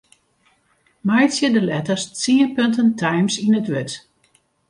Meitsje de letters tsien punten Times yn it wurd.